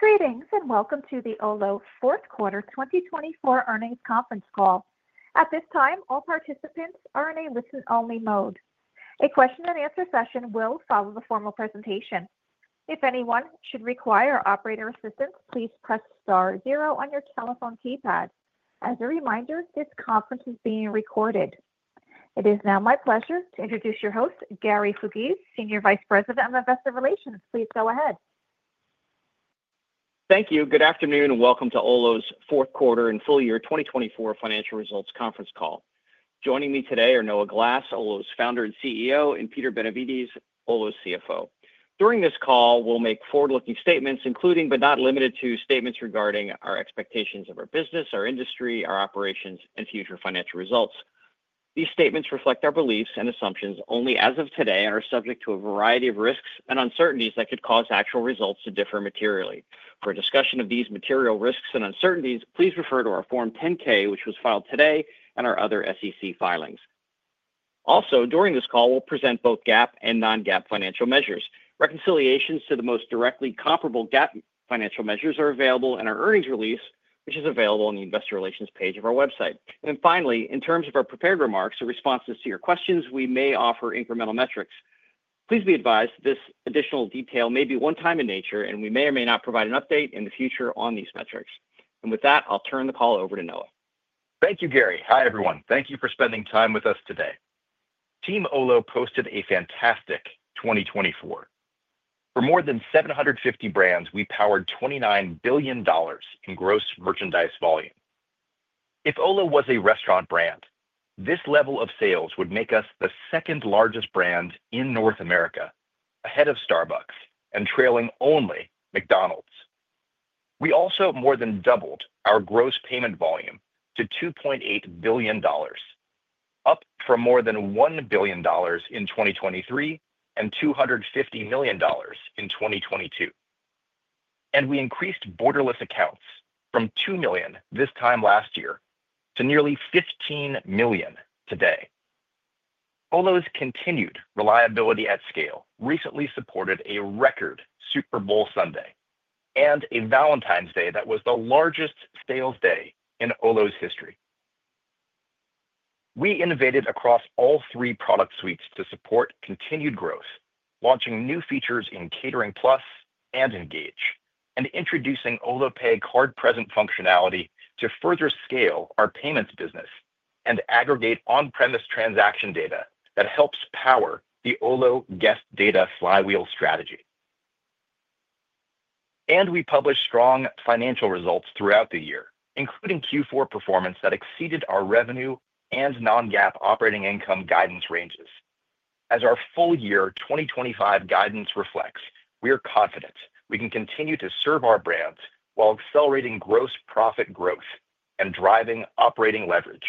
Greetings and welcome to the Olo Fourth Quarter 2024 Earnings Conference Call. At this time, all participants are in a listen-only mode. A question-and-answer session will follow the formal presentation. If anyone should require operator assistance, please press star zero on your telephone keypad. As a reminder, this conference is being recorded. It is now my pleasure to introduce your host, Gary Fuges, Senior Vice President of Investor Relations. Please go ahead. Thank you. Good afternoon and welcome to Olo's Fourth Quarter and Full Year 2024 financial results conference call. Joining me today are Noah Glass, Olo's founder and CEO, and Peter Benevides, Olo's CFO. During this call, we'll make forward-looking statements, including but not limited to statements regarding our expectations of our business, our industry, our operations, and future financial results. These statements reflect our beliefs and assumptions only as of today and are subject to a variety of risks and uncertainties that could cause actual results to differ materially. For a discussion of these material risks and uncertainties, please refer to our Form 10-K, which was filed today, and our other SEC filings. Also, during this call, we'll present both GAAP and non-GAAP financial measures. Reconciliations to the most directly comparable GAAP financial measures are available in our earnings release, which is available on the investor relations page of our website. And then finally, in terms of our prepared remarks or responses to your questions, we may offer incremental metrics. Please be advised this additional detail may be one-time in nature, and we may or may not provide an update in the future on these metrics. And with that, I'll turn the call over to Noah. Thank you, Gary. Hi, everyone. Thank you for spending time with us today. Team Olo posted a fantastic 2024. For more than 750 brands, we powered $29 billion in gross merchandise volume. If Olo was a restaurant brand, this level of sales would make us the second largest brand in North America, ahead of Starbucks and trailing only McDonald's. We also more than doubled our gross payment volume to $2.8 billion, up from more than $1 billion in 2023 and $250 million in 2022. And we increased borderless accounts from 2 million this time last year to nearly 15 million today. Olo's continued reliability at scale recently supported a record Super Bowl Sunday and a Valentine's Day that was the largest sales day in Olo's history. We innovated across all three product suites to support continued growth, launching new features in Catering Plus and Engage, and introducing Olo Pay Card Present functionality to further scale our payments business and aggregate on-premise transaction data that helps power the Olo Guest Data Flywheel Strategy. And we published strong financial results throughout the year, including Q4 performance that exceeded our revenue and non-GAAP operating income guidance ranges. As our full year 2025 guidance reflects, we are confident we can continue to serve our brands while accelerating gross profit growth and driving operating leverage.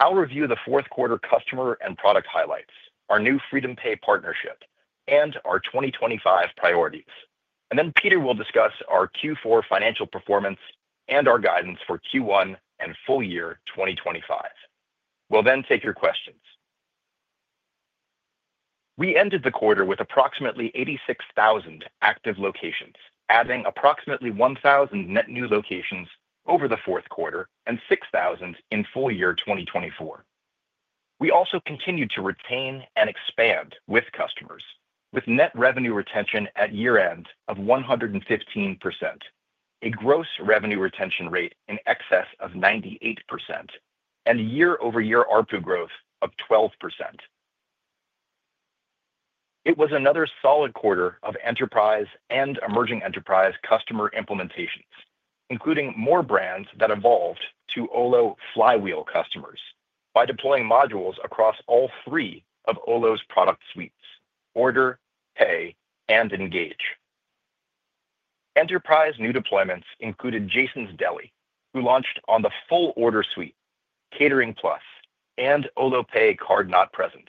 I'll review the fourth quarter customer and product highlights, our new FreedomPay partnership, and our 2025 priorities. And then Peter will discuss our Q4 financial performance and our guidance for Q1 and full year 2025. We'll then take your questions. We ended the quarter with approximately 86,000 active locations, adding approximately 1,000 net new locations over the fourth quarter and 6,000 in full year 2024. We also continued to retain and expand with customers, with net revenue retention at year-end of 115%, a gross revenue retention rate in excess of 98%, and year-over-year ARPU growth of 12%. It was another solid quarter of enterprise and emerging enterprise customer implementations, including more brands that evolved to Olo flywheel customers by deploying modules across all three of Olo's product suites: Order, Pay, and Engage. Enterprise new deployments included Jason's Deli, who launched on the full Order suite, Catering Plus, and Olo Pay card not present.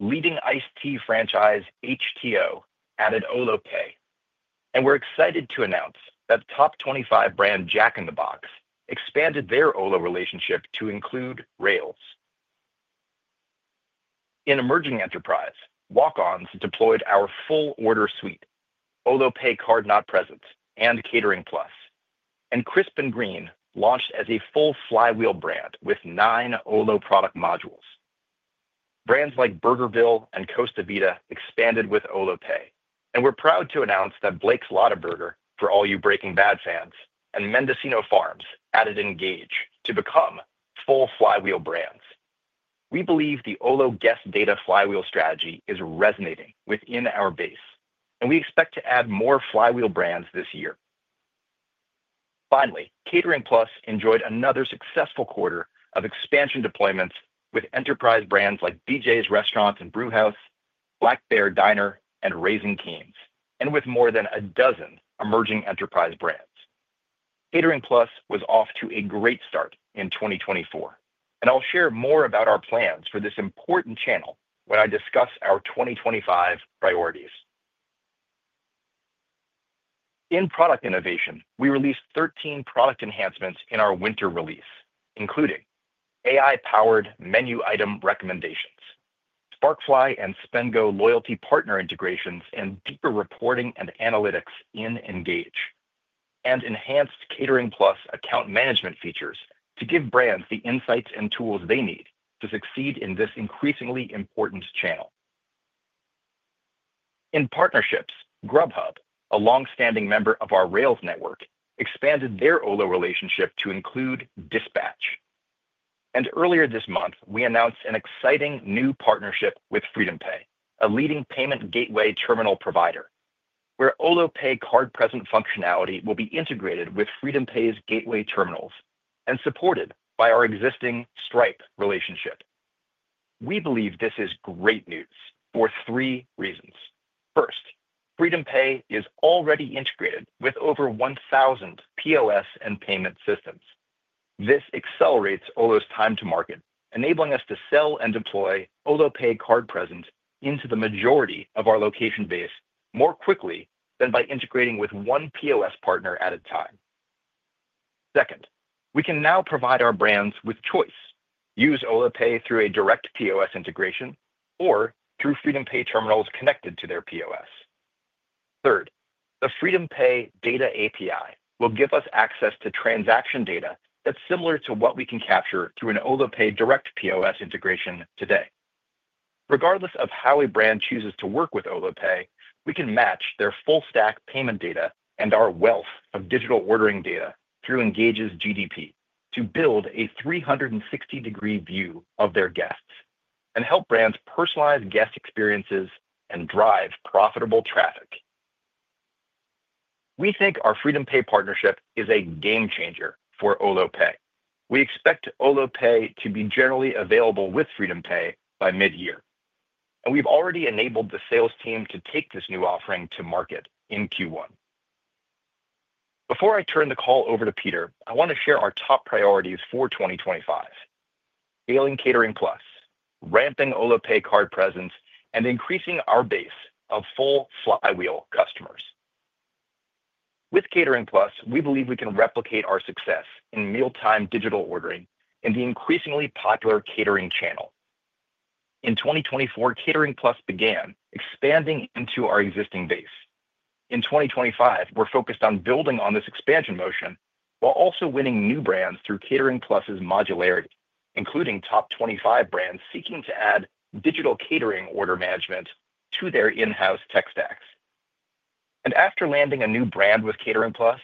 Leading iced tea franchise HTeaO added Olo Pay. And we're excited to announce that Top 25 brand Jack in the Box expanded their Olo relationship to include Rails. In emerging enterprise, Walk-On's deployed our full Order suite, Olo Pay card not present, and Catering Plus, and Crisp & Green launched as a full flywheel brand with nine Olo product modules. Brands like Burgerville and Costa Vida expanded with Olo Pay, and we're proud to announce that Blake's Lotaburger, for all you Breaking Bad fans, and Mendocino Farms added Engage to become full flywheel brands. We believe the Olo Guest Data Flywheel strategy is resonating within our base, and we expect to add more flywheel brands this year. Finally, Catering Plus enjoyed another successful quarter of expansion deployments with enterprise brands like BJ's Restaurant & Brewhouse, Black Bear Diner, and Raising Cane's, and with more than a dozen emerging enterprise brands. Catering Plus was off to a great start in 2024, and I'll share more about our plans for this important channel when I discuss our 2025 priorities. In product innovation, we released 13 product enhancements in our winter release, including AI-powered menu item recommendations, Sparkfly and Spendgo loyalty partner integrations, and deeper reporting and analytics in Engage, and enhanced Catering Plus account management features to give brands the insights and tools they need to succeed in this increasingly important channel. In partnerships, Grubhub, a long-standing member of our Rails network, expanded their Olo relationship to include Dispatch, and earlier this month, we announced an exciting new partnership with FreedomPay, a leading payment gateway terminal provider, where Olo Pay card present functionality will be integrated with FreedomPay's gateway terminals and supported by our existing Stripe relationship. We believe this is great news for three reasons. First, FreedomPay is already integrated with over 1,000 POS and payment systems. This accelerates Olo's time to market, enabling us to sell and deploy Olo Pay Card Present into the majority of our location base more quickly than by integrating with one POS partner at a time. Second, we can now provide our brands with choice: use Olo Pay through a direct POS integration or through FreedomPay terminals connected to their POS. Third, the FreedomPay data API will give us access to transaction data that's similar to what we can capture through an Olo Pay direct POS integration today. Regardless of how a brand chooses to work with Olo Pay, we can match their full stack payment data and our wealth of digital ordering data through Engage's GDP to build a 360-degree view of their guests and help brands personalize guest experiences and drive profitable traffic. We think our FreedomPay partnership is a game changer for Olo Pay. We expect Olo Pay to be generally available with FreedomPay by mid-year, and we've already enabled the sales team to take this new offering to market in Q1. Before I turn the call over to Peter, I want to share our top priorities for 2025: scaling Catering Plus, ramping Olo Pay Card Present, and increasing our base of full flywheel customers. With Catering Plus, we believe we can replicate our success in real-time digital ordering in the increasingly popular catering channel. In 2024, Catering Plus began expanding into our existing base. In 2025, we're focused on building on this expansion motion while also winning new brands through Catering Plus's modularity, including Top 25 brands seeking to add digital catering order management to their in-house tech stacks. After landing a new brand with Catering Plus,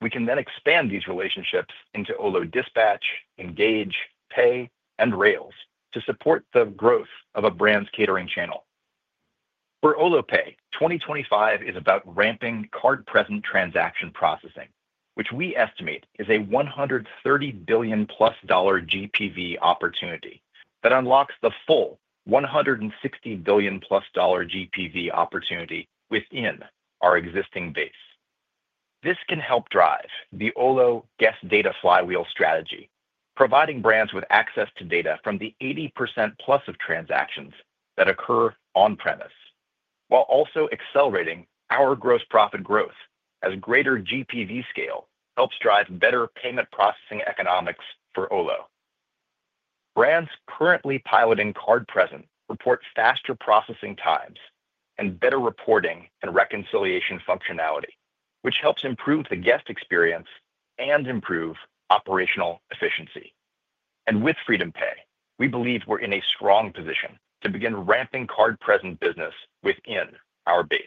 we can then expand these relationships into Olo Dispatch, Engage, Pay, and Rails to support the growth of a brand's catering channel. For Olo Pay, 2025 is about ramping card present transaction processing, which we estimate is a $130 billion plus GPV opportunity that unlocks the full $160 billion plus GPV opportunity within our existing base. This can help drive the Olo guest data flywheel strategy, providing brands with access to data from the 80% plus of transactions that occur on-premise, while also accelerating our gross profit growth as greater GPV scale helps drive better payment processing economics for Olo. Brands currently piloting card present report faster processing times and better reporting and reconciliation functionality, which helps improve the guest experience and improve operational efficiency. And with FreedomPay, we believe we're in a strong position to begin ramping card present business within our base.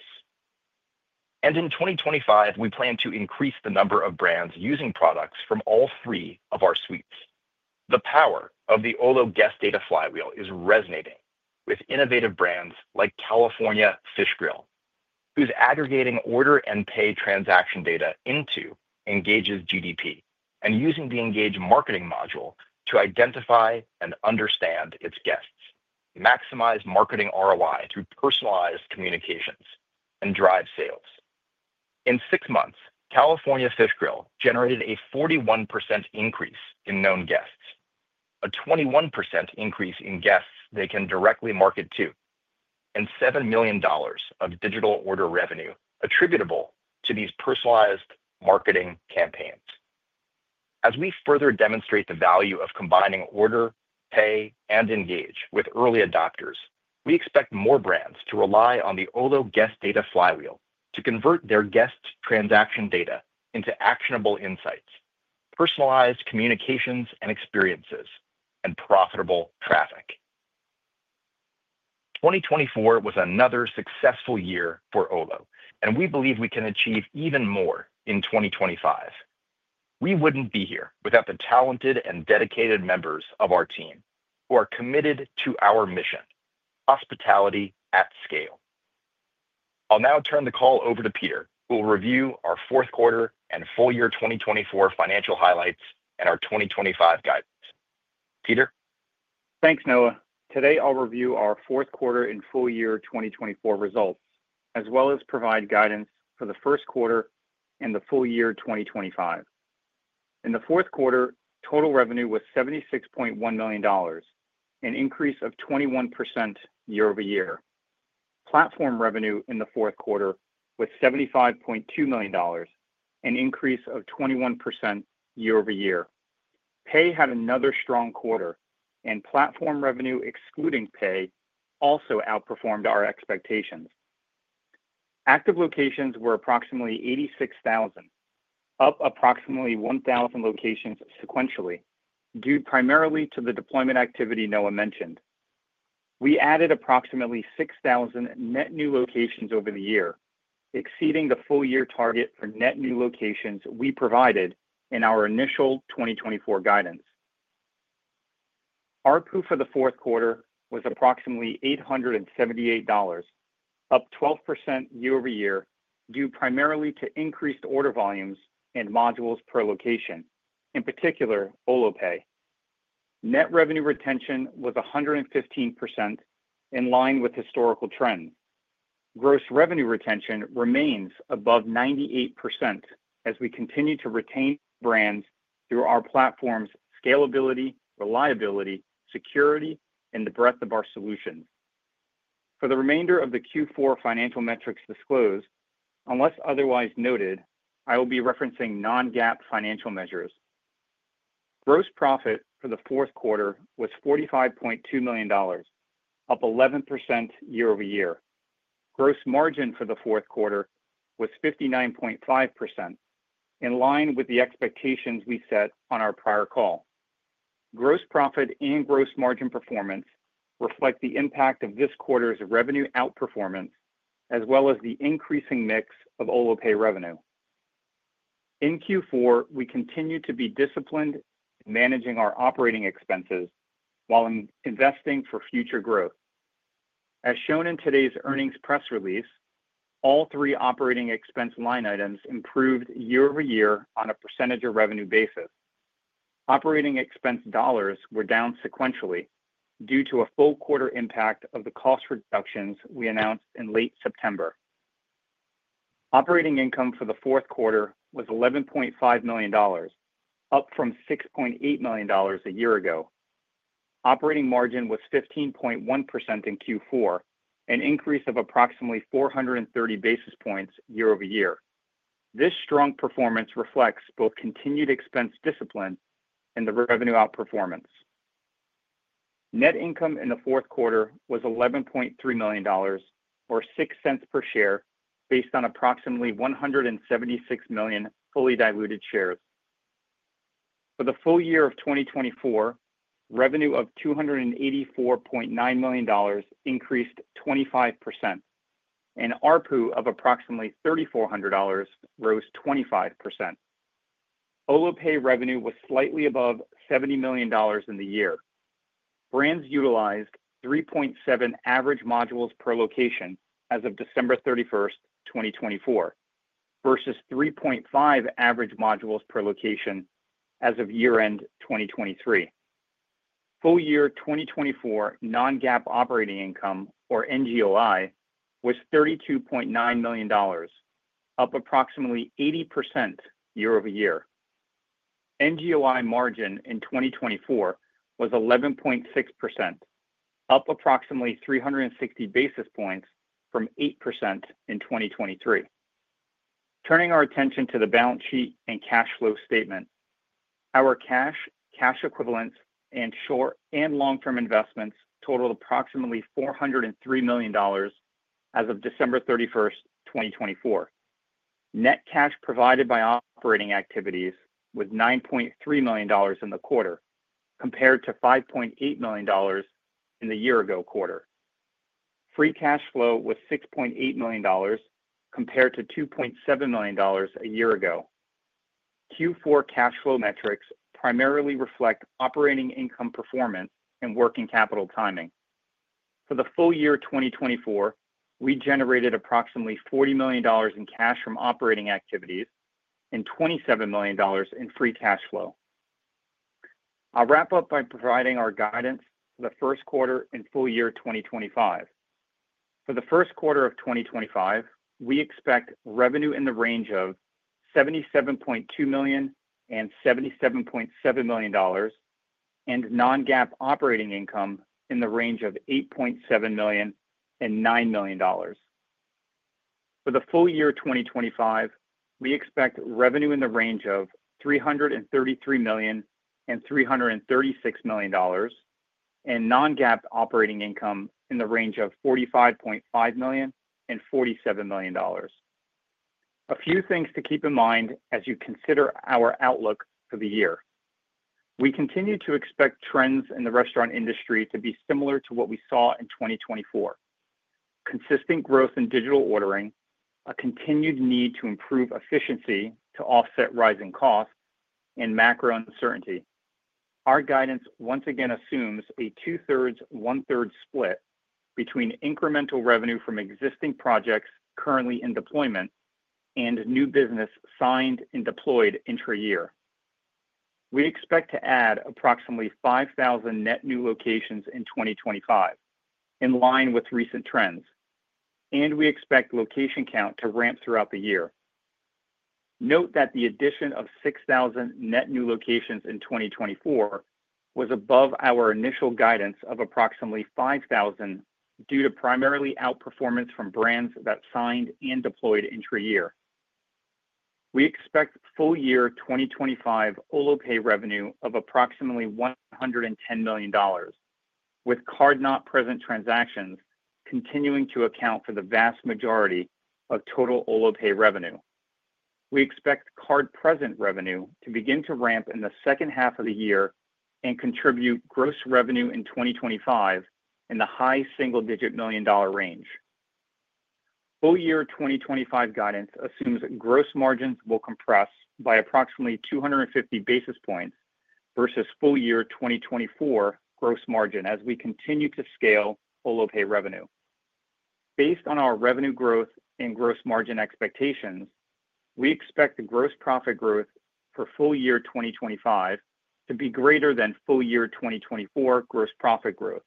And in 2025, we plan to increase the number of brands using products from all three of our suites. The power of the Olo guest data flywheel is resonating with innovative brands like California Fish Grill, who's aggregating Order and Pay transaction data into Engage's GDP and using the Engage marketing module to identify and understand its guests, maximize marketing ROI through personalized communications, and drive sales. In six months, California Fish Grill generated a 41% increase in known guests, a 21% increase in guests they can directly market to, and $7 million of digital order revenue attributable to these personalized marketing campaigns. As we further demonstrate the value of combining Order, Pay, and Engage with early adopters, we expect more brands to rely on the Olo guest data flywheel to convert their guest transaction data into actionable insights, personalized communications and experiences, and profitable traffic. 2024 was another successful year for Olo, and we believe we can achieve even more in 2025. We wouldn't be here without the talented and dedicated members of our team who are committed to our mission: hospitality at scale. I'll now turn the call over to Peter, who will review our Fourth Quarter and Full Year 2024, financial highlights, and our 2025 guidance. Peter? Thanks, Noah. Today, I'll review our fourth quarter and full year 2024 results, as well as provide guidance for the first quarter and the full year 2025. In the fourth quarter, total revenue was $76.1 million, an increase of 21% year over year. Platform revenue in the fourth quarter was $75.2 million, an increase of 21% year over year. Pay had another strong quarter, and platform revenue excluding pay also outperformed our expectations. Active locations were approximately 86,000, up approximately 1,000 locations sequentially due primarily to the deployment activity Noah mentioned. We added approximately 6,000 net new locations over the year, exceeding the full year target for net new locations we provided in our initial 2024 guidance. Our ARPU of the fourth quarter was approximately $878, up 12% year over year due primarily to increased order volumes and modules per location, in particular Olo Pay. Net revenue retention was 115%, in line with historical trends. Gross revenue retention remains above 98% as we continue to retain brands through our platform's scalability, reliability, security, and the breadth of our solutions. For the remainder of the Q4 financial metrics disclosed, unless otherwise noted, I will be referencing non-GAAP financial measures. Gross profit for the fourth quarter was $45.2 million, up 11% year over year. Gross margin for the fourth quarter was 59.5%, in line with the expectations we set on our prior call. Gross profit and gross margin performance reflect the impact of this quarter's revenue outperformance, as well as the increasing mix of Olo Pay revenue. In Q4, we continue to be disciplined in managing our operating expenses while investing for future growth. As shown in today's earnings press release, all three operating expense line items improved year over year on a percentage of revenue basis. Operating expense dollars were down sequentially due to a full quarter impact of the cost reductions we announced in late September. Operating income for the fourth quarter was $11.5 million, up from $6.8 million a year ago. Operating margin was 15.1% in Q4, an increase of approximately 430 basis points year over year. This strong performance reflects both continued expense discipline and the revenue outperformance. Net income in the fourth quarter was $11.3 million, or $0.06 per share, based on approximately 176 million fully diluted shares. For the full year of 2024, revenue of $284.9 million increased 25%, and our pool of approximately $340 million rose 25%. Olo Pay revenue was slightly above $70 million in the year. Brands utilized 3.7 average modules per location as of December 31st, 2024, versus 3.5 average modules per location as of year-end 2023. Full year 2024 non-GAAP operating income, or NGOI, was $32.9 million, up approximately 80% year over year. NGOI margin in 2024 was 11.6%, up approximately 360 basis points from 8% in 2023. Turning our attention to the balance sheet and cash flow statement, our cash, cash equivalents, and short and long-term investments totaled approximately $403 million as of December 31st, 2024. Net cash provided by operating activities was $9.3 million in the quarter, compared to $5.8 million in the year-ago quarter. Free cash flow was $6.8 million, compared to $2.7 million a year ago. Q4 cash flow metrics primarily reflect operating income performance and working capital timing. For the full year 2024, we generated approximately $40 million in cash from operating activities and $27 million in free cash flow. I'll wrap up by providing our guidance for the first quarter and full year 2025. For the first quarter of 2025, we expect revenue in the range $77.2-$77.7 million, and non-GAAP operating income in the range of $8.7-$9 million. For the full year 2025, we expect revenue in the range of $333-$336 million, and non-GAAP operating income in the range of $45.5-$47 million. A few things to keep in mind as you consider our outlook for the year. We continue to expect trends in the restaurant industry to be similar to what we saw in 2024: consistent growth in digital ordering, a continued need to improve efficiency to offset rising costs, and macro uncertainty. Our guidance once again assumes a two-thirds, one-third split between incremental revenue from existing projects currently in deployment and new business signed and deployed intra-year. We expect to add approximately 5,000 net new locations in 2025, in line with recent trends, and we expect location count to ramp throughout the year. Note that the addition of 6,000 net new locations in 2024 was above our initial guidance of approximately 5,000 due to primarily outperformance from brands that signed and deployed intra-year. We expect full year 2025 Olo Pay revenue of approximately $110 million, with Card Not Present transactions continuing to account for the vast majority of total Olo Pay revenue. We expect Card Present revenue to begin to ramp in the second half of the year and contribute gross revenue in 2025 in the high single-digit million-dollar range. Full year 2025 guidance assumes gross margins will compress by approximately 250 basis points versus full year 2024 gross margin as we continue to scale Olo Pay revenue. Based on our revenue growth and gross margin expectations, we expect the gross profit growth for full year 2025 to be greater than full year 2024 gross profit growth,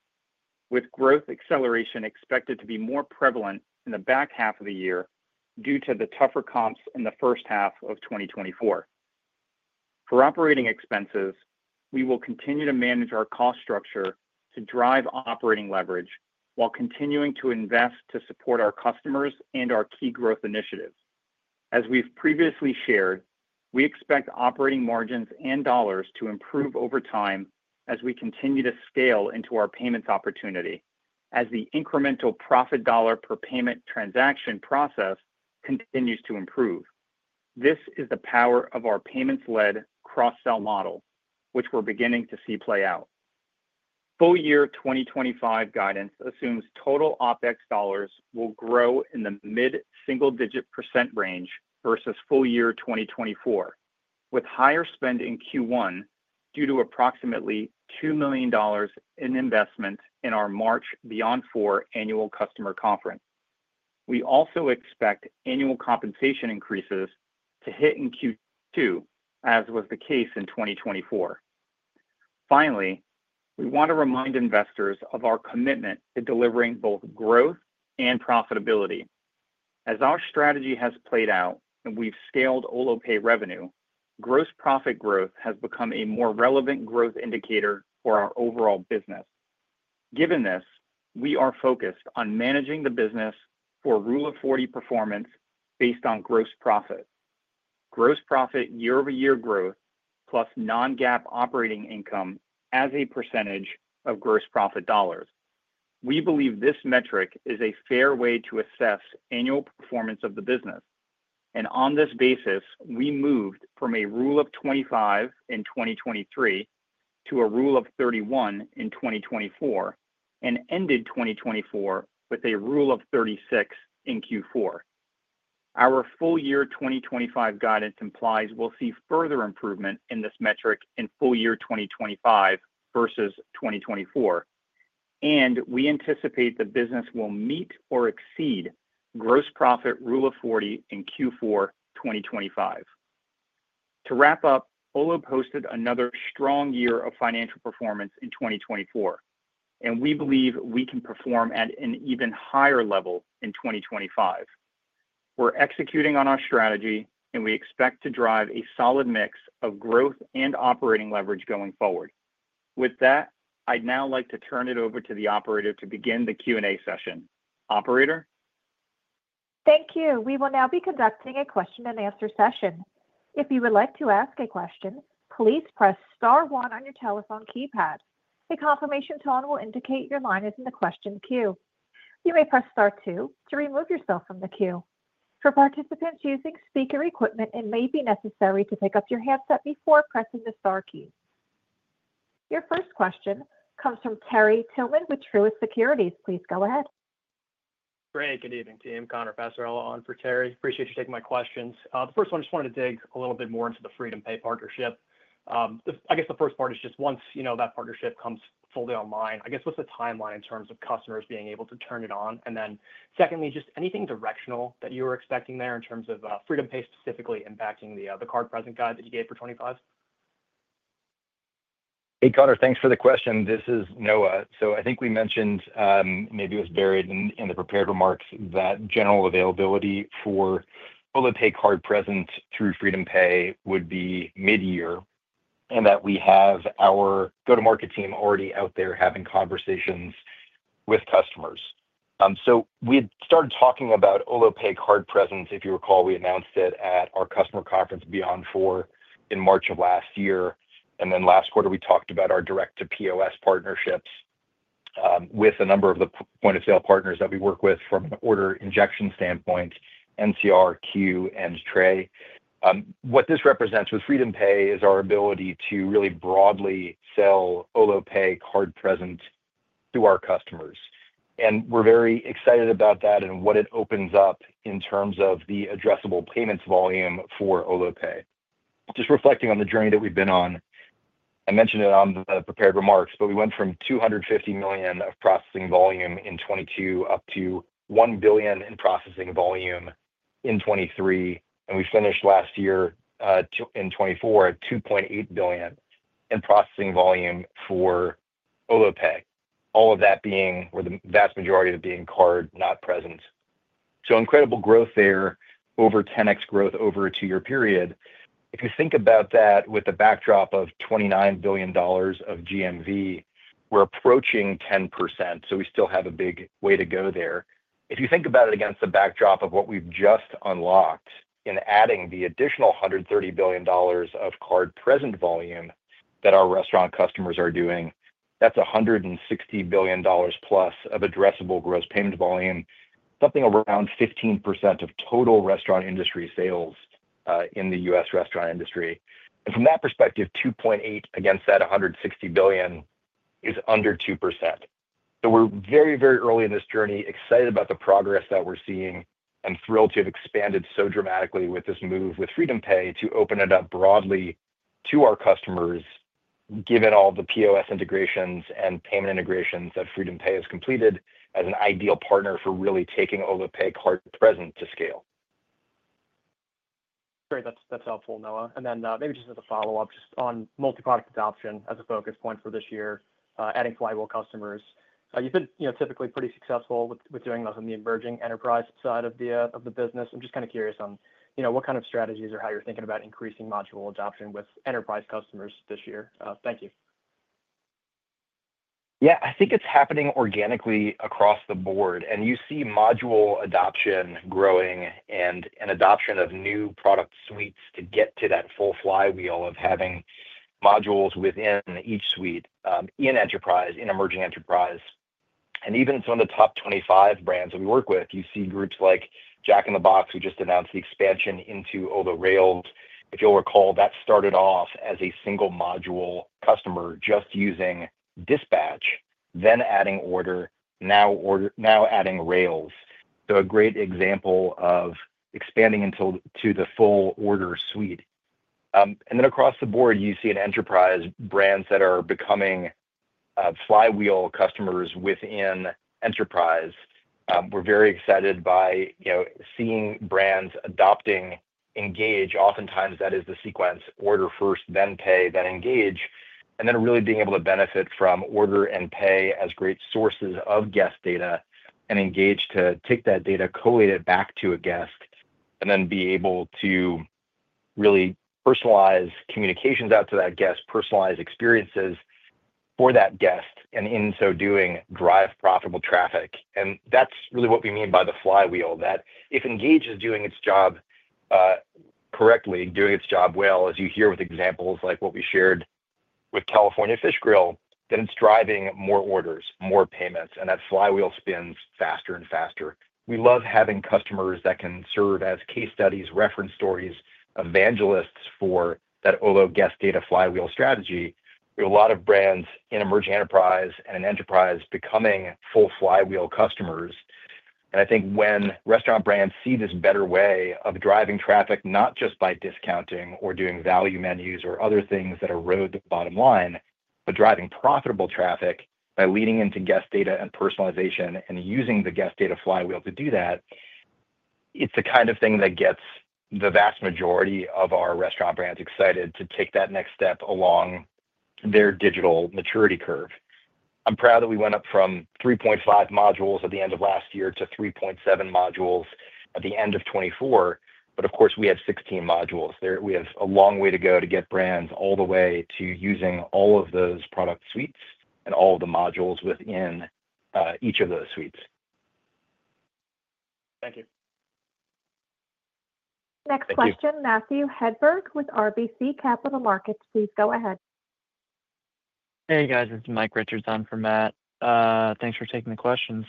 with growth acceleration expected to be more prevalent in the back half of the year due to the tougher comps in the first half of 2024. For operating expenses, we will continue to manage our cost structure to drive operating leverage while continuing to invest to support our customers and our key growth initiatives. As we've previously shared, we expect operating margins and dollars to improve over time as we continue to scale into our payments opportunity as the incremental profit dollar per payment transaction process continues to improve. This is the power of our payments-led cross-sell model, which we're beginning to see play out. Full year 2025 guidance assumes total OpEx dollars will grow in the mid-single-digit % range versus full year 2024, with higher spend in Q1 due to approximately $2 million in investment in our March Beyond 40 annual customer conference. We also expect annual compensation increases to hit in Q2, as was the case in 2024. Finally, we want to remind investors of our commitment to delivering both growth and profitability. As our strategy has played out and we've scaled Olo Pay revenue, gross profit growth has become a more relevant growth indicator for our overall business. Given this, we are focused on managing the business for Rule of 40 performance based on gross profit: gross profit year-over-year growth plus non-GAAP operating income as a percentage of gross profit dollars. We believe this metric is a fair way to assess annual performance of the business. On this basis, we moved from a Rule of 25 in 2023 to a Rule of 31 in 2024 and ended 2024 with a Rule of 36 in Q4. Our full year 2025 guidance implies we'll see further improvement in this metric in full year 2025 versus 2024, and we anticipate the business will meet or exceed gross profit Rule of 40 in Q4 2025. To wrap up, Olo posted another strong year of financial performance in 2024, and we believe we can perform at an even higher level in 2025. We're executing on our strategy, and we expect to drive a solid mix of growth and operating leverage going forward. With that, I'd now like to turn it over to the operator to begin the Q&A session. Operator? Thank you. We will now be conducting a question-and-answer session. If you would like to ask a question, please press Star one on your telephone keypad. A confirmation tone will indicate your line is in the question queue. You may press Star two to remove yourself from the queue. For participants using speaker equipment, it may be necessary to pick up your headset before pressing the Star key. Your first question comes from Terry Tillman with Truist Securities. Please go ahead. Great. Good evening, team. Conner Passarella, Truist for Terry. Appreciate you taking my questions. The first one, I just wanted to dig a little bit more into the FreedomPay partnership. I guess the first part is just once that partnership comes fully online, I guess what's the timeline in terms of customers being able to turn it on? And then secondly, just anything directional that you were expecting there in terms of FreedomPay specifically impacting the card present guide that you gave for 2025? Hey, Conner, thanks for the question. This is Noah. So I think we mentioned maybe it was buried in the prepared remarks that general availability for Olo Pay card present through FreedomPay would be mid-year and that we have our go-to-market team already out there having conversations with customers. So we had started talking about Olo Pay card presents, if you recall, we announced it at our customer conference Beyond Four in March of last year. And then last quarter, we talked about our direct-to-POS partnerships with a number of the point-of-sale partners that we work with from an order injection standpoint, NCR, Qu, and Tray. What this represents with FreedomPay is our ability to really broadly sell Olo Pay card present to our customers. And we're very excited about that and what it opens up in terms of the addressable payments volume for Olo Pay. Just reflecting on the journey that we've been on. I mentioned it on the prepared remarks, but we went from $250 million of processing volume in 2022 up to $1 billion in processing volume in 2023, and we finished last year in 2024 at $2.8 billion in processing volume for Olo Pay, all of that being where the vast majority of it being card not present. So incredible growth there, over 10x growth over a two-year period. If you think about that with the backdrop of $29 billion of GMV, we're approaching 10%, so we still have a big way to go there. If you think about it against the backdrop of what we've just unlocked in adding the additional $130 billion of card present volume that our restaurant customers are doing, that's $160 billion plus of addressable gross payment volume, something around 15% of total restaurant industry sales in the U.S. restaurant industry. And from that perspective, 2.8 against that 160 billion is under 2%. So we're very, very early in this journey, excited about the progress that we're seeing and thrilled to have expanded so dramatically with this move with Freedom Pay to open it up broadly to our customers, given all the POS integrations and payment integrations that Freedom Pay has completed as an ideal partner for really taking Olo Pay card present to scale. Great. That's helpful, Noah. And then maybe just as a follow-up, just on multi-product adoption as a focus point for this year, adding flywheel customers. You've been typically pretty successful with doing this on the emerging enterprise side of the business. I'm just kind of curious on what kind of strategies or how you're thinking about increasing module adoption with enterprise customers this year. Thank you. Yeah, I think it's happening organically across the board. And you see module adoption growing and an adoption of new product suites to get to that full flywheel of having modules within each suite in enterprise, in emerging enterprise. And even some of the top 25 brands that we work with, you see groups like Jack in the Box, who just announced the expansion into Olo Rails. If you'll recall, that started off as a single module customer just using Dispatch, then adding Order, now adding Rails. So a great example of expanding into the full Order suite. And then across the board, you see enterprise brands that are becoming flywheel customers within enterprise. We're very excited by seeing brands adopting Engage. Oftentimes, that is the sequence: Order first, then Pay, then Engage, and then really being able to benefit from Order and Pay as great sources of guest data and Engage to take that data, collate it back to a guest, and then be able to really personalize communications out to that guest, personalize experiences for that guest, and in so doing, drive profitable traffic. And that's really what we mean by the flywheel, that if Engage is doing its job correctly, doing its job well, as you hear with examples like what we shared with California Fish Grill, then it's driving more orders, more payments, and that flywheel spins faster and faster. We love having customers that can serve as case studies, reference stories, evangelists for that Olo guest data flywheel strategy. We have a lot of brands in emerging enterprise and in enterprise becoming full flywheel customers. And I think when restaurant brands see this better way of driving traffic, not just by discounting or doing value menus or other things that erode the bottom line, but driving profitable traffic by leading into guest data and personalization and using the guest data flywheel to do that, it's the kind of thing that gets the vast majority of our restaurant brands excited to take that next step along their digital maturity curve. I'm proud that we went up from 3.5 modules at the end of last year to 3.7 modules at the end of 2024, but of course, we have 16 modules. We have a long way to go to get brands all the way to using all of those product suites and all of the modules within each of those suites. Thank you. Next question, Matthew Hedberg with RBC Capital Markets. Please go ahead. Hey, guys. This is Mike Richards from RBC. Thanks for taking the questions.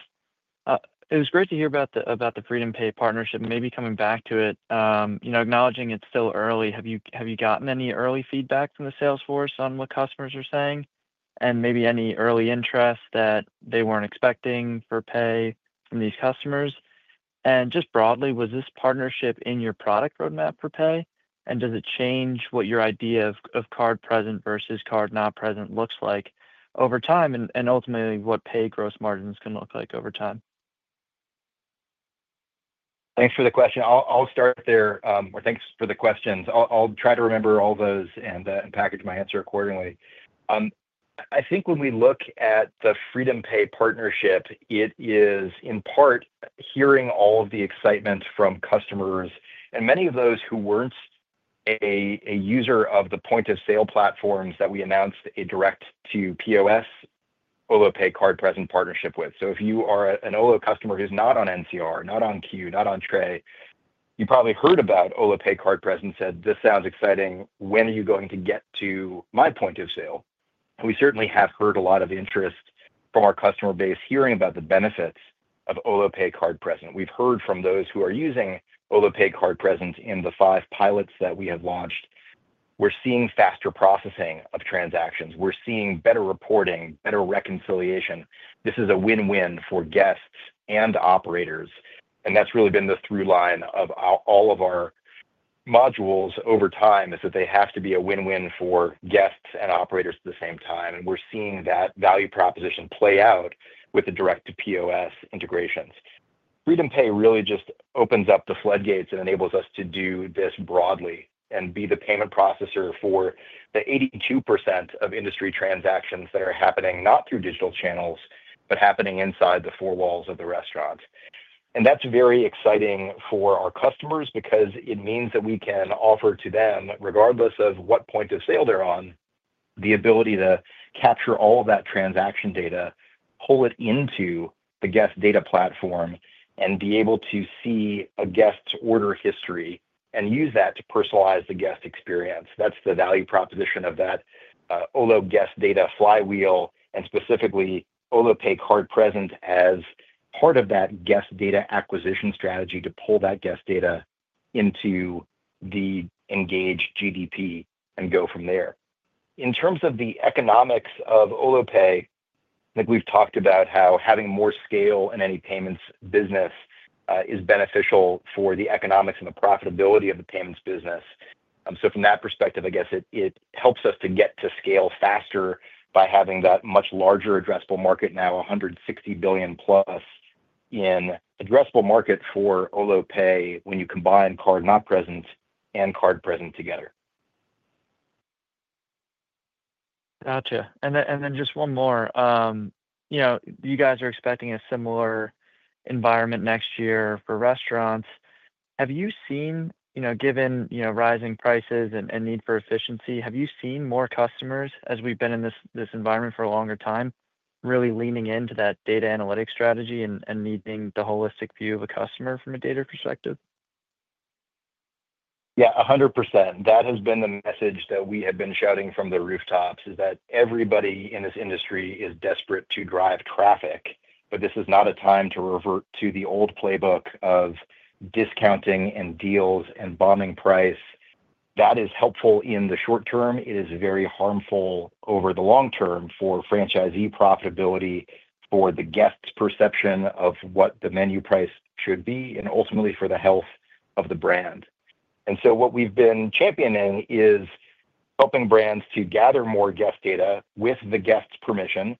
It was great to hear about the FreedomPay partnership, maybe coming back to it. Acknowledging it's still early, have you gotten any early feedback from the sales force on what customers are saying and maybe any early interest that they weren't expecting for pay from these customers? And just broadly, was this partnership in your product roadmap for pay? And does it change what your idea of card present versus card not present looks like over time and ultimately what pay gross margins can look like over time? Thanks for the question. I'll start there, or thanks for the questions. I'll try to remember all those and package my answer accordingly. I think when we look at the Freedom Pay partnership, it is in part hearing all of the excitement from customers and many of those who weren't a user of the point-of-sale platforms that we announced a direct-to-POS Olo Pay card present partnership with. So if you are an Olo customer who's not on NCR, not on Q, not on Tray, you probably heard about Olo Pay card present, said, "This sounds exciting. When are you going to get to my point of sale?" And we certainly have heard a lot of interest from our customer base hearing about the benefits of Olo Pay card present. We've heard from those who are using Olo Pay card present in the five pilots that we have launched. We're seeing faster processing of transactions. We're seeing better reporting, better reconciliation. This is a win-win for guests and operators. That's really been the through line of all of our modules over time is that they have to be a win-win for guests and operators at the same time. We're seeing that value proposition play out with the direct-to-POS integrations. FreedomPay really just opens up the floodgates and enables us to do this broadly and be the payment processor for the 82% of industry transactions that are happening not through digital channels, but happening inside the four walls of the restaurant. That's very exciting for our customers because it means that we can offer to them, regardless of what point of sale they're on, the ability to capture all of that transaction data, pull it into the guest data platform, and be able to see a guest order history and use that to personalize the guest experience. That's the value proposition of that Olo guest data flywheel and specifically Olo Pay card present as part of that guest data acquisition strategy to pull that guest data into the Engage GDP and go from there. In terms of the economics of Olo Pay, I think we've talked about how having more scale in any payments business is beneficial for the economics and the profitability of the payments business. So from that perspective, I guess it helps us to get to scale faster by having that much larger addressable market now, $160 billion-plus addressable market for Olo Pay when you combine card not present and card present together. Gotcha, and then just one more. You guys are expecting a similar environment next year for restaurants. Have you seen, given rising prices and need for efficiency, have you seen more customers as we've been in this environment for a longer time really leaning into that data analytics strategy and needing the holistic view of a customer from a data perspective? Yeah, 100%. That has been the message that we have been shouting from the rooftops is that everybody in this industry is desperate to drive traffic, but this is not a time to revert to the old playbook of discounting and deals and bombing price. That is helpful in the short term. It is very harmful over the long term for franchisee profitability, for the guest's perception of what the menu price should be, and ultimately for the health of the brand. And so what we've been championing is helping brands to gather more guest data with the guest's permission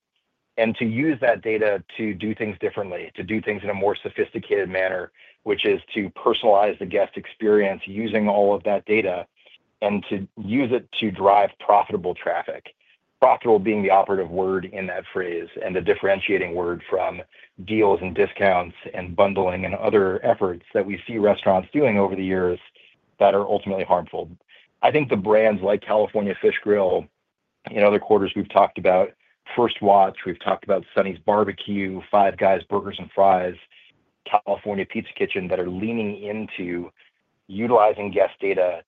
and to use that data to do things differently, to do things in a more sophisticated manner, which is to personalize the guest experience using all of that data and to use it to drive profitable traffic, profitable being the operative word in that phrase and the differentiating word from deals and discounts and bundling and other efforts that we see restaurants doing over the years that are ultimately harmful. I think the brands like California Fish Grill, in other quarters we've talked about, First Watch, we've talked about Sonny's BBQ, Five Guys Burgers and Fries, California Pizza Kitchen that are leaning into utilizing guest data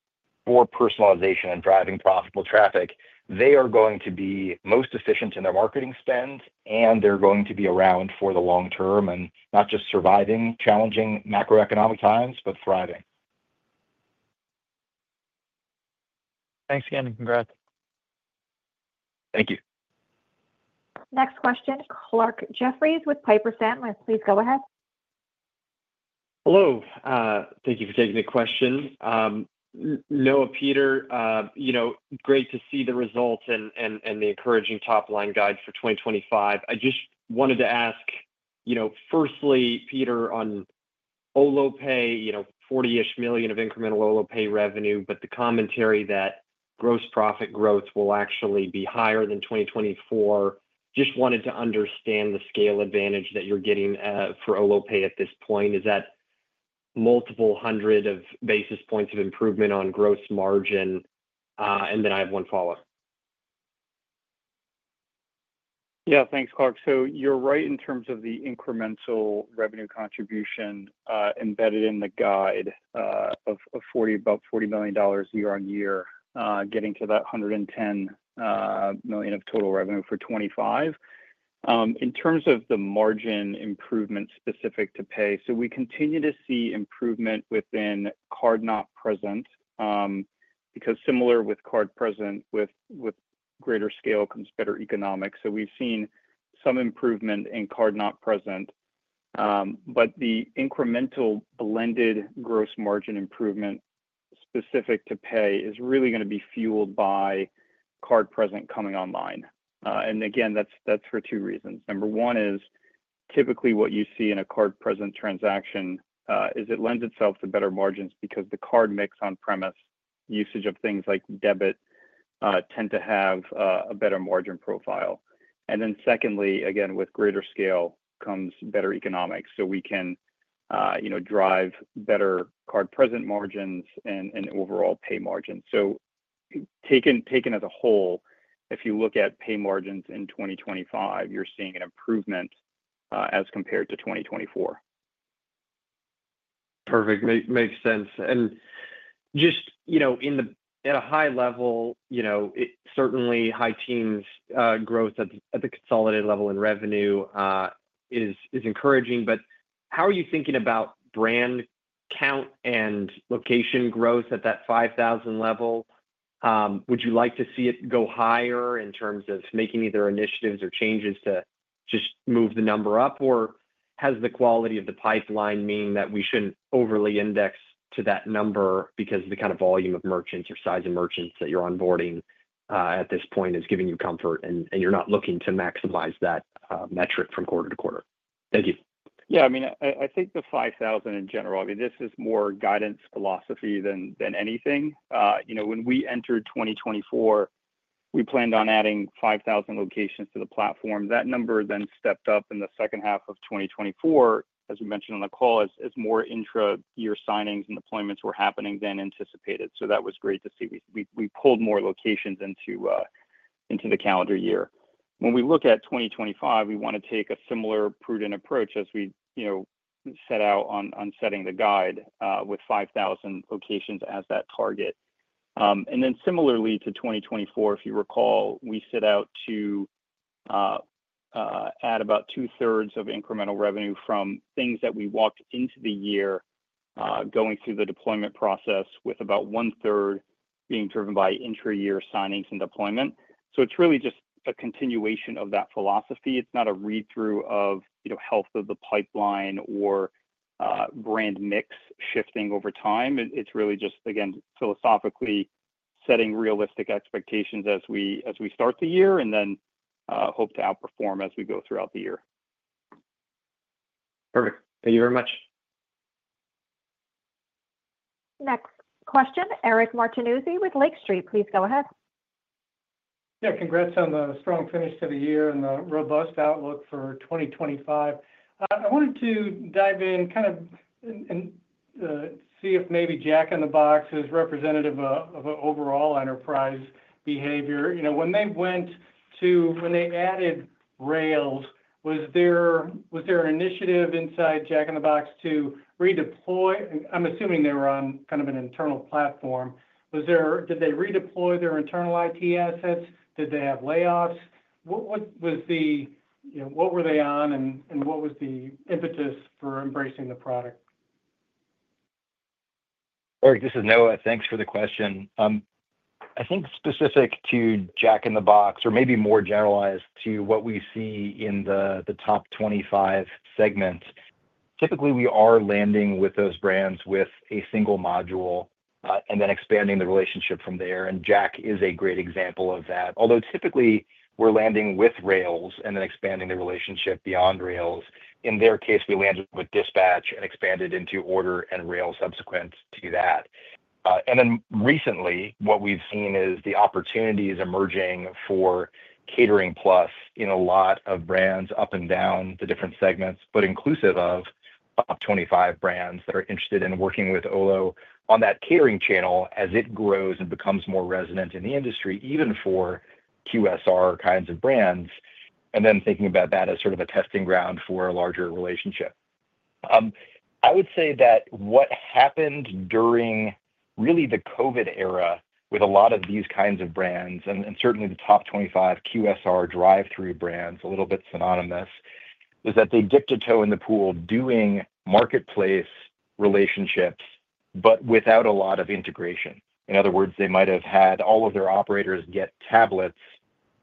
for personalization and driving profitable traffic. They are going to be most efficient in their marketing spend, and they're going to be around for the long term and not just surviving challenging macroeconomic times, but thriving. Thanks again. Congrats. Thank you. Next question, Clarke Jeffries with Piper Sandler. Please go ahead. Hello. Thank you for taking the question. Noah, Peter, great to see the results and the encouraging top line guides for 2025. I just wanted to ask, firstly, Peter, on Olo Pay, $40-ish million of incremental Olo Pay revenue, but the commentary that gross profit growth will actually be higher than 2024, just wanted to understand the scale advantage that you're getting for Olo Pay at this point. Is that multiple hundreds of basis points of improvement on gross margin? And then I have one follow-up. Yeah, thanks, Clarke. So you're right in terms of the incremental revenue contribution embedded in the guide of about $40 million year on year, getting to that $110 million of total revenue for 2025. In terms of the margin improvement specific to pay, we continue to see improvement within Card Not Present because similar with Card Present, with greater scale comes better economics. We've seen some improvement in Card Not Present, but the incremental blended gross margin improvement specific to pay is really going to be fueled by Card Present coming online. And again, that's for two reasons. Number one is typically what you see in a Card Present transaction is it lends itself to better margins because the card mix on-premise usage of things like debit tend to have a better margin profile. And then secondly, again, with greater scale comes better economics so we can drive better Card Present margins and overall pay margins. So taken as a whole, if you look at pay margins in 2025, you're seeing an improvement as compared to 2024. Perfect. Makes sense. And just at a high level, certainly high-teens growth at the consolidated level in revenue is encouraging. But how are you thinking about brand count and location growth at that 5,000 level? Would you like to see it go higher in terms of making either initiatives or changes to just move the number up, or has the quality of the pipeline meaning that we shouldn't overly index to that number because the kind of volume of merchants or size of merchants that you're onboarding at this point is giving you comfort and you're not looking to maximize that metric from quarter to quarter? Thank you. Yeah, I mean, I think the 5,000 in general, I mean, this is more guidance philosophy than anything. When we entered 2024, we planned on adding 5,000 locations to the platform. That number then stepped up in the second half of 2024, as we mentioned on the call, as more intra-year signings and deployments were happening than anticipated, so that was great to see. We pulled more locations into the calendar year. When we look at 2025, we want to take a similar prudent approach as we set out on setting the guide with 5,000 locations as that target, and then similarly to 2024, if you recall, we set out to add about two-thirds of incremental revenue from things that we walked into the year going through the deployment process, with about one-third being driven by intra-year signings and deployment, so it's really just a continuation of that philosophy. It's not a read-through of health of the pipeline or brand mix shifting over time. It's really just, again, philosophically setting realistic expectations as we start the year and then hope to outperform as we go throughout the year. Perfect. Thank you very much. Next question, Eric Martinuzzi with Lake Street. Please go ahead. Yeah, congrats on the strong finish to the year and the robust outlook for 2025. I wanted to dive in kind of and see if maybe Jack in the Box is representative of an overall enterprise behavior. When they added Rails, was there an initiative inside Jack in the Box to redeploy? I'm assuming they were on kind of an internal platform. Did they redeploy their internal IT assets? Did they have layoffs? What were they on and what was the impetus for embracing the product? Eric, this is Noah. Thanks for the question. I think specific to Jack in the Box or maybe more generalized to what we see in the top 25 segments, typically we are landing with those brands with a single module and then expanding the relationship from there, and Jack is a great example of that. Although typically we're landing with rails and then expanding the relationship beyond rails. In their case, we landed with dispatch and expanded into order and rail subsequent to that, and then recently, what we've seen is the opportunities emerging for Catering Plus in a lot of brands up and down the different segments, but inclusive of top 25 brands that are interested in working with Olo on that catering channel as it grows and becomes more resonant in the industry, even for QSR kinds of brands. And then thinking about that as sort of a testing ground for a larger relationship. I would say that what happened during really the COVID era with a lot of these kinds of brands and certainly the top 25 QSR drive-through brands, a little bit synonymous, was that they dipped a toe in the pool doing marketplace relationships, but without a lot of integration. In other words, they might have had all of their operators get tablets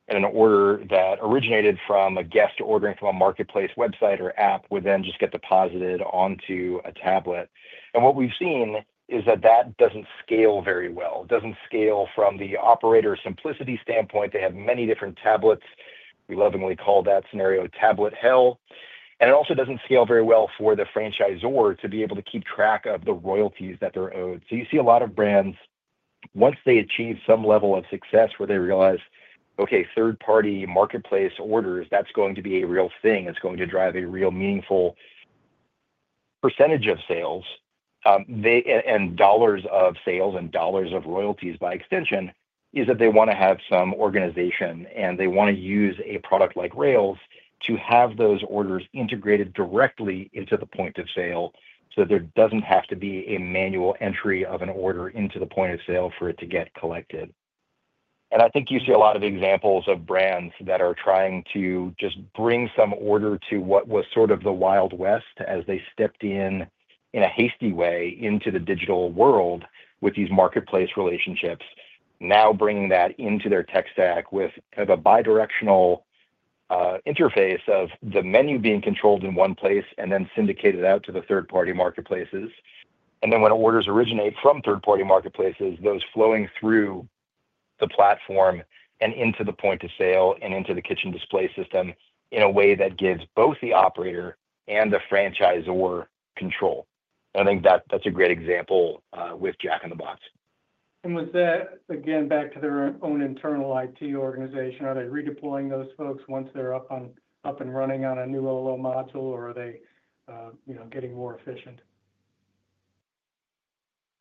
in an order that originated from a guest ordering from a marketplace website or app would then just get deposited onto a tablet. And what we've seen is that that doesn't scale very well. It doesn't scale from the operator simplicity standpoint. They have many different tablets. We lovingly call that scenario tablet hell. It also doesn't scale very well for the franchisor to be able to keep track of the royalties that they're owed. So you see a lot of brands, once they achieve some level of success where they realize, "Okay, third-party marketplace orders, that's going to be a real thing. It's going to drive a real meaningful percentage of sales and dollars of sales and dollars of royalties by extension," is that they want to have some organization and they want to use a product like Rails to have those orders integrated directly into the point of sale so that there doesn't have to be a manual entry of an order into the point of sale for it to get collected. And I think you see a lot of examples of brands that are trying to just bring some order to what was sort of the Wild West as they stepped in in a hasty way into the digital world with these marketplace relationships, now bringing that into their tech stack with kind of a bidirectional interface of the menu being controlled in one place and then syndicated out to the third-party marketplaces. And then when orders originate from third-party marketplaces, those flowing through the platform and into the point of sale and into the kitchen display system in a way that gives both the operator and the franchisor control. And I think that's a great example with Jack in the Box. With that, again, back to their own internal IT organization, are they redeploying those folks once they're up and running on a new Olo module, or are they getting more efficient?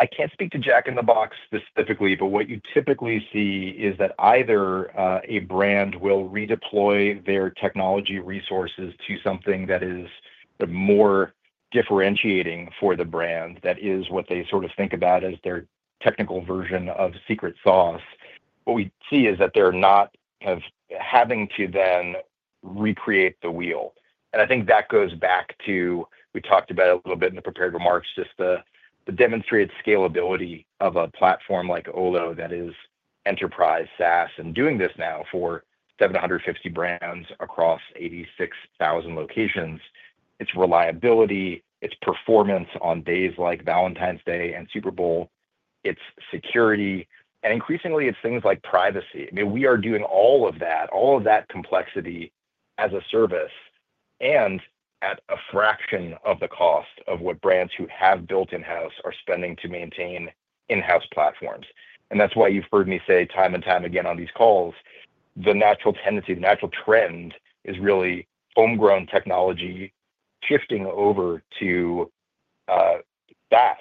I can't speak to Jack in the Box specifically, but what you typically see is that either a brand will redeploy their technology resources to something that is more differentiating for the brand. That is what they sort of think about as their technical version of secret sauce. What we see is that they're not having to then recreate the wheel. And I think that goes back to we talked about it a little bit in the prepared remarks, just the demonstrated scalability of a platform like Olo that is enterprise SaaS and doing this now for 750 brands across 86,000 locations. It's reliability. It's performance on days like Valentine's Day and Super Bowl. It's security. And increasingly, it's things like privacy. I mean, we are doing all of that, all of that complexity as a service and at a fraction of the cost of what brands who have built in-house are spending to maintain in-house platforms. And that's why you've heard me say time and time again on these calls, the natural tendency, the natural trend is really homegrown technology shifting over to SaaS.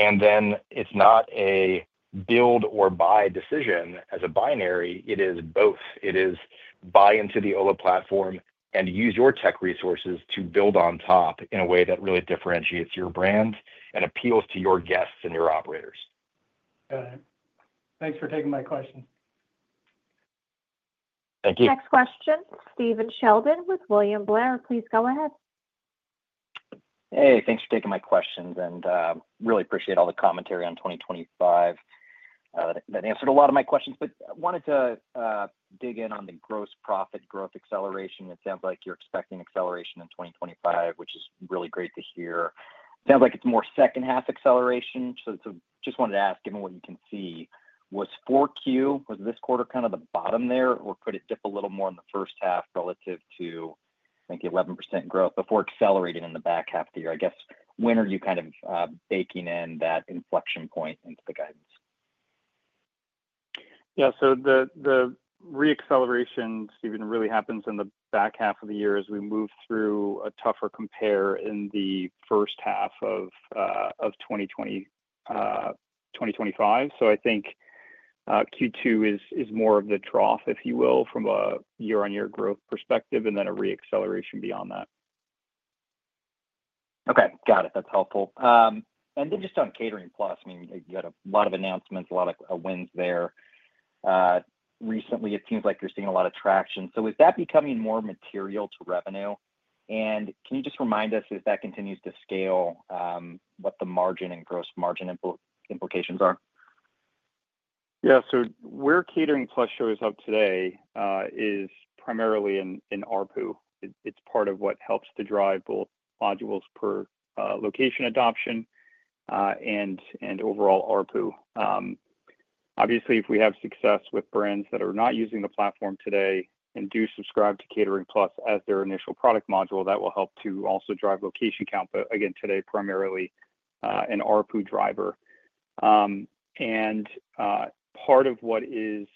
And then it's not a build or buy decision as a binary. It is both. It is buy into the Olo platform and use your tech resources to build on top in a way that really differentiates your brand and appeals to your guests and your operators. Got it. Thanks for taking my questions. Thank you. Next question, Stephen Sheldon with William Blair. Please go ahead. Hey, thanks for taking my questions. And really appreciate all the commentary on 2025 that answered a lot of my questions, but wanted to dig in on the gross profit growth acceleration. It sounds like you're expecting acceleration in 2025, which is really great to hear. Sounds like it's more second-half acceleration. So just wanted to ask, given what you can see, was 4Q, was this quarter kind of the bottom there, or could it dip a little more in the first half relative to, I think, 11% growth before accelerating in the back half of the year? I guess, when are you kind of baking in that inflection point into the guidance? Yeah, so the reacceleration, Stephen, really happens in the back half of the year as we move through a tougher compare in the first half of 2025. So I think Q2 is more of the trough, if you will, from a year-on-year growth perspective, and then a reacceleration beyond that. Okay. Got it. That's helpful. And then just on Catering Plus, I mean, you had a lot of announcements, a lot of wins there. Recently, it seems like you're seeing a lot of traction. So is that becoming more material to revenue? And can you just remind us, as that continues to scale, what the margin and gross margin implications are? Yeah. So where Catering Plus shows up today is primarily in ARPU. It's part of what helps to drive both modules per location adoption and overall ARPU. Obviously, if we have success with brands that are not using the platform today and do subscribe to Catering Plus as their initial product module, that will help to also drive location count, but again, today primarily an ARPU driver. And part of what is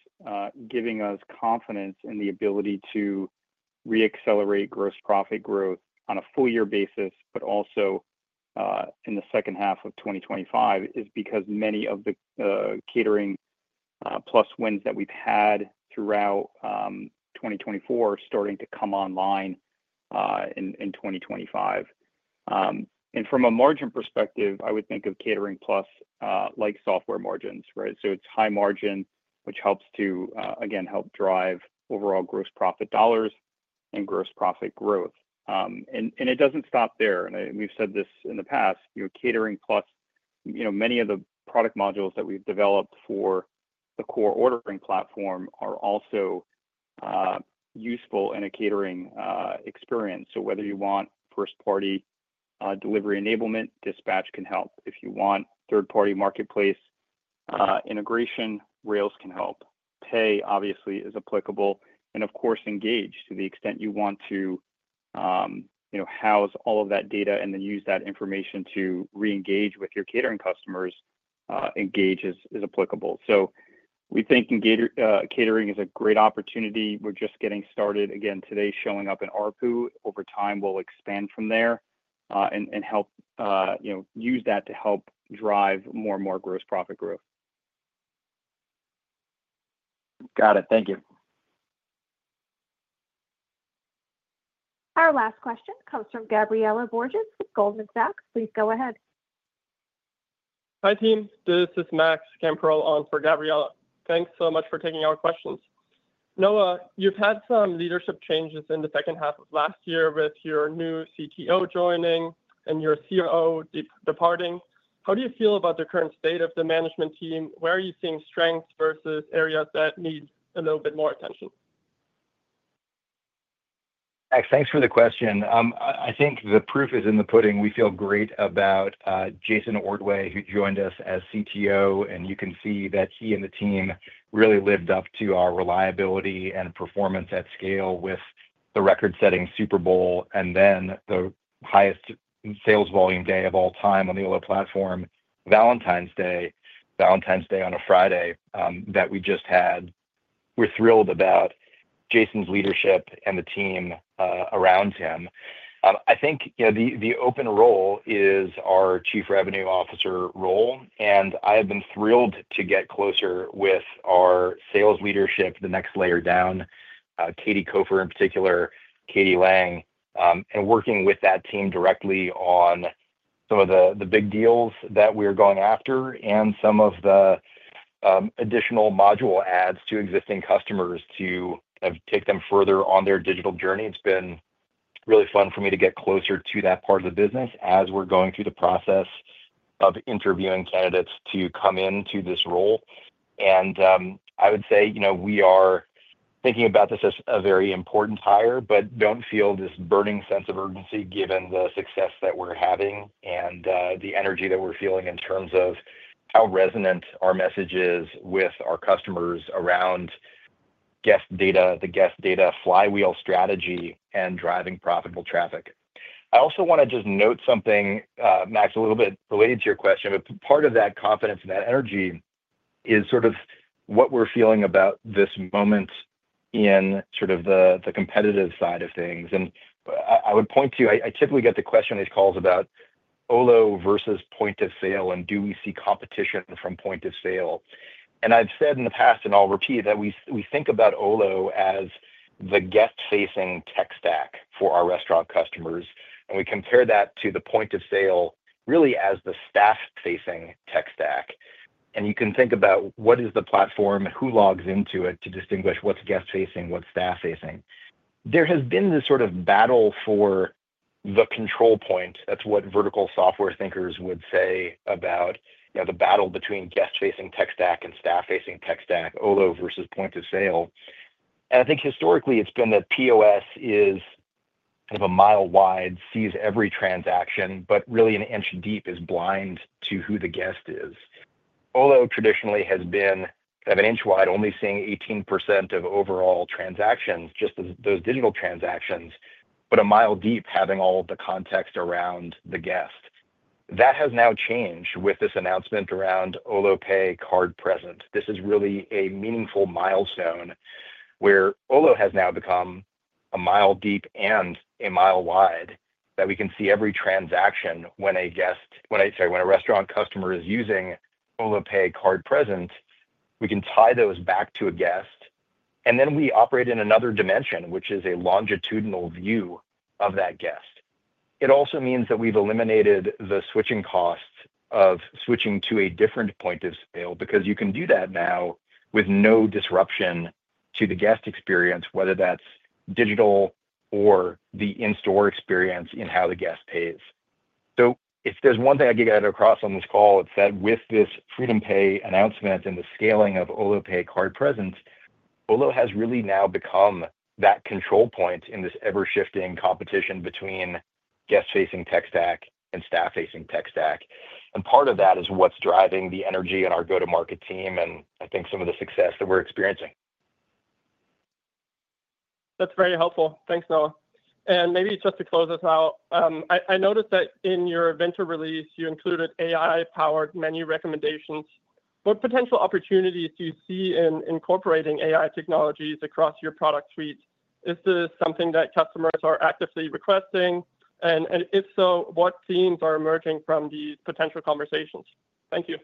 giving us confidence in the ability to reaccelerate gross profit growth on a full-year basis, but also in the second half of 2025, is because many of the Catering Plus wins that we've had throughout 2024 are starting to come online in 2025. And from a margin perspective, I would think of Catering Plus like software margins, right? So it's high margin, which helps to, again, help drive overall gross profit dollars and gross profit growth. And it doesn't stop there. And we've said this in the past. Catering Plus, many of the product modules that we've developed for the core ordering platform are also useful in a catering experience. So whether you want first-party delivery enablement, Dispatch can help. If you want third-party marketplace integration, Rails can help. Pay, obviously, is applicable. And of course, Engage to the extent you want to house all of that data and then use that information to reengage with your catering customers, Engage is applicable. So we think catering is a great opportunity. We're just getting started. Again, today showing up in ARPU, over time we'll expand from there and help use that to help drive more and more gross profit growth. Got it. Thank you. Our last question comes from Gabriela Borges with Goldman Sachs. Please go ahead. Hi, team. This is Max Gamperl on for Gabriela. Thanks so much for taking our questions. Noah, you've had some leadership changes in the second half of last year with your new CTO joining and your COO departing. How do you feel about the current state of the management team? Where are you seeing strengths versus areas that need a little bit more attention? Thanks for the question. I think the proof is in the pudding. We feel great about Jason Ordway, who joined us as CTO, and you can see that he and the team really lived up to our reliability and performance at scale with the record-setting Super Bowl and then the highest sales volume day of all time on the Olo platform, Valentine's Day, Valentine's Day on a Friday that we just had. We're thrilled about Jason's leadership and the team around him. I think the open role is our Chief Revenue Officer role, and I have been thrilled to get closer with our sales leadership, the next layer down, Katie Cofer in particular, Katie Lang, and working with that team directly on some of the big deals that we're going after and some of the additional module adds to existing customers to kind of take them further on their digital journey. It's been really fun for me to get closer to that part of the business as we're going through the process of interviewing candidates to come into this role. And I would say we are thinking about this as a very important hire, but don't feel this burning sense of urgency given the success that we're having and the energy that we're feeling in terms of how resonant our message is with our customers around guest data, the guest data flywheel strategy, and driving profitable traffic. I also want to just note something, Max, a little bit related to your question, but part of that confidence and that energy is sort of what we're feeling about this moment in sort of the competitive side of things. And I would point to, I typically get the question on these calls about Olo versus point of sale and do we see competition from point of sale? I've said in the past, and I'll repeat, that we think about Olo as the guest-facing tech stack for our restaurant customers, and we compare that to the point of sale really as the staff-facing tech stack. You can think about what is the platform and who logs into it to distinguish what's guest-facing, what's staff-facing. There has been this sort of battle for the control point. That's what vertical software thinkers would say about the battle between guest-facing tech stack and staff-facing tech stack, Olo versus point of sale. I think historically it's been that POS is kind of a mile wide, sees every transaction, but really an inch deep is blind to who the guest is. Olo traditionally has been kind of an inch wide, only seeing 18% of overall transactions, just those digital transactions, but a mile deep having all of the context around the guest. That has now changed with this announcement around Olo Pay card present. This is really a meaningful milestone where Olo has now become a mile deep and a mile wide that we can see every transaction when a guest, when a restaurant customer is using Olo Pay card present, we can tie those back to a guest, and then we operate in another dimension, which is a longitudinal view of that guest. It also means that we've eliminated the switching costs of switching to a different point of sale because you can do that now with no disruption to the guest experience, whether that's digital or the in-store experience in how the guest pays. So if there's one thing I can get across on this call, it's that with this FreedomPay announcement and the scaling of Olo Pay Card Present, Olo has really now become that control point in this ever-shifting competition between guest-facing tech stack and staff-facing tech stack, and part of that is what's driving the energy in our go-to-market team and I think some of the success that we're experiencing. That's very helpful. Thanks, Noah. And maybe just to close this out, I noticed that in your investor release, you included AI-powered menu recommendations. What potential opportunities do you see in incorporating AI technologies across your product suite? Is this something that customers are actively requesting? And if so, what themes are emerging from these potential conversations? Thank you.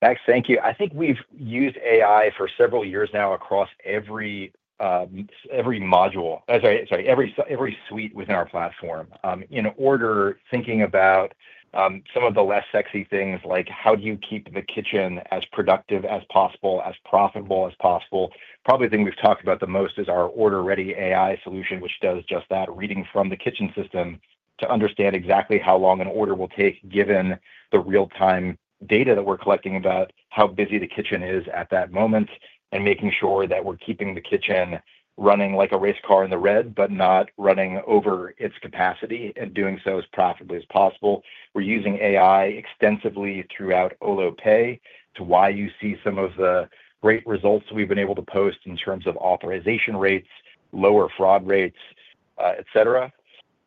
Thanks. Thank you. I think we've used AI for several years now across every module, sorry, every suite within our platform. In order, thinking about some of the less sexy things like how do you keep the kitchen as productive as possible, as profitable as possible, probably the thing we've talked about the most is our OrderReady AI solution, which does just that, reading from the kitchen system to understand exactly how long an order will take given the real-time data that we're collecting about how busy the kitchen is at that moment and making sure that we're keeping the kitchen running like a race car in the red, but not running over its capacity and doing so as profitably as possible. We're using AI extensively throughout Olo Pay, that's why you see some of the great results we've been able to post in terms of authorization rates, lower fraud rates, etc.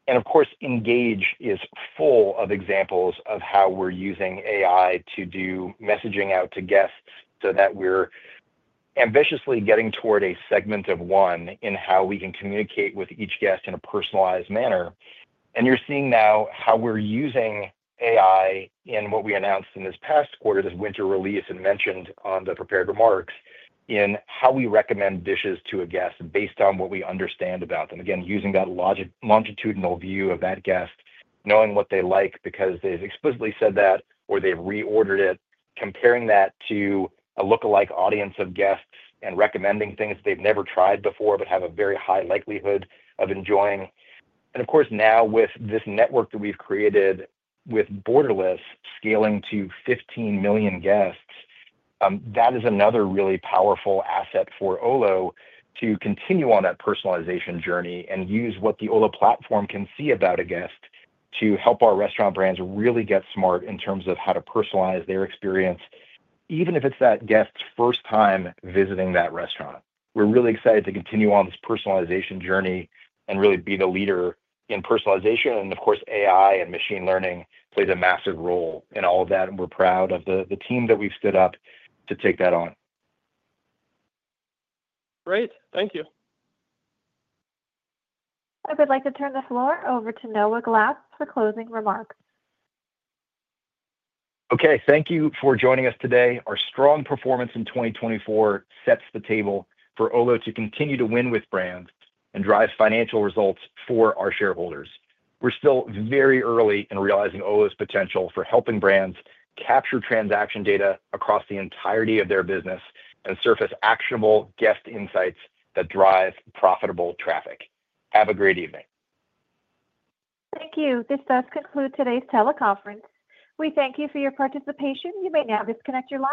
And of course, Engage is full of examples of how we're using AI to do messaging out to guests so that we're ambitiously getting toward a segment of one in how we can communicate with each guest in a personalized manner. And you're seeing now how we're using AI in what we announced in this past quarter, this winter release and mentioned on the prepared remarks in how we recommend dishes to a guest based on what we understand about them. Again, using that longitudinal view of that guest, knowing what they like because they've explicitly said that or they've reordered it, comparing that to a lookalike audience of guests and recommending things they've never tried before but have a very high likelihood of enjoying. Of course, now with this network that we've created with Borderless scaling to 15 million guests, that is another really powerful asset for Olo to continue on that personalization journey and use what the Olo platform can see about a guest to help our restaurant brands really get smart in terms of how to personalize their experience, even if it's that guest's first time visiting that restaurant. We're really excited to continue on this personalization journey and really be the leader in personalization. Of course, AI and machine learning plays a massive role in all of that. We're proud of the team that we've stood up to take that on. Great. Thank you. I would like to turn the floor over to Noah Glass for closing remarks. Okay. Thank you for joining us today. Our strong performance in 2024 sets the table for Olo to continue to win with brands and drive financial results for our shareholders. We're still very early in realizing Olo's potential for helping brands capture transaction data across the entirety of their business and surface actionable guest insights that drive profitable traffic. Have a great evening. Thank you. This does conclude today's teleconference. We thank you for your participation. You may now disconnect your line.